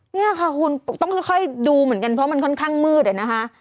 เนี่ยค่ะคุณพวกต้องครับให้ดูเหมือนกันเพราะมันค่อนข้างมืดเลยนะคะ